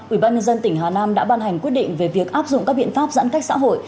ubnd tỉnh hà nam đã ban hành quyết định về việc áp dụng các biện pháp giãn cách xã hội